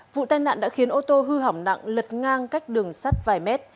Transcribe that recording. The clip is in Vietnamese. vụ tai nạn đã khiến ô tô hư hỏng nặng lật ngang cách đường sắt vài mét